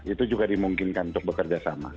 itu juga dimungkinkan untuk bekerjasama